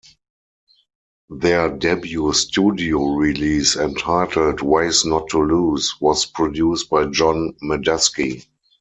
Their debut studio release, entitled "Ways Not to Lose", was produced by John Medeski.